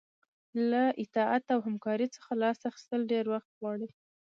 له اطاعت او همکارۍ څخه لاس اخیستل ډیر وخت غواړي.